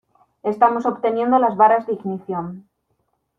Estamos obteniendo las varas de ignición.